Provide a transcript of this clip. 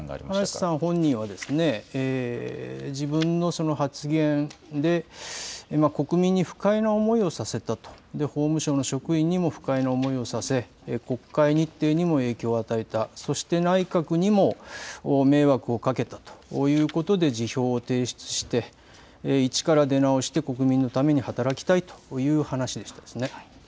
葉梨さん本人は、自分の発言で国民に不快な思いをさせたと、法務省の職員にも不快な思いをさせ、国会日程にも影響を与えた、そして内閣にも迷惑をかけたということで辞表を提出して、一から出直して、国民のために働きたいという話でしたね。